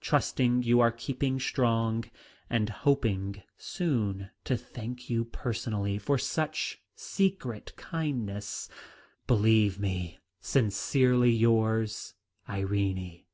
Trusting you are keeping strong, and hoping soon to thank you personally for such secret kindness, "Believe me, "Sincerely yours, "IRENE.